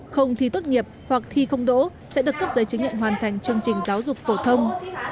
không thi tốt nghiệp hoặc thi không đỗ sẽ được cấp giấy chứng nhận hoàn thành chương trình giáo dục phổ thông